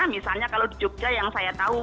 misalnya kalau di jogja yang saya tahu